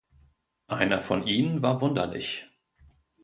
Einer von ihnen war Wunderlich.